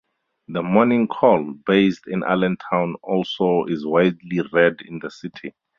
"The Morning Call", based in Allentown, also is widely read in the city.